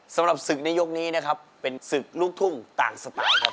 สำหรับศึกในยกนี้นะครับเป็นศึกลูกทุ่งต่างสไตล์ครับ